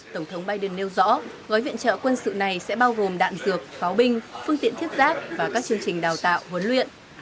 tổng thống biden nêu rõ gói viện trợ quân sự này sẽ bao gồm đạn dược pháo binh phương tiện thiết giáp và các chương trình đào tạo huấn luyện